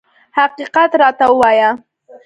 حقیقت راته ووایه.